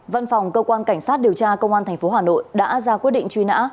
văn phòng cơ quan cảnh sát điều tra công an tp hà nội đã ra quyết định truy nã